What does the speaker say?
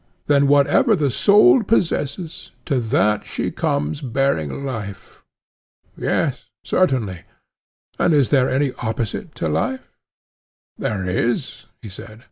Then whatever the soul possesses, to that she comes bearing life? Yes, certainly. And is there any opposite to life? There is, he said.